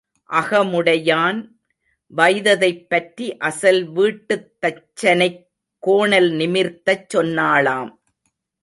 அகமுடையான் வைததைப்பற்றி அசல் வீட்டுத் தச்சனைக் கோணல் நிமிர்த்தச் சொன்னாளாம்.